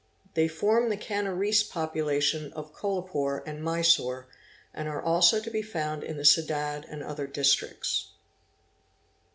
They form the Canarese population of Kolapore and Mysore and are also to be found in the Ceded and other Districts.